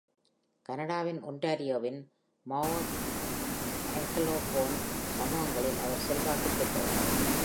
கனடாவின் ஒன்டாரியோவின் Mohawk, Anglophone சமூகங்களில் அவர் செல்வாக்கு பெற்றவர்.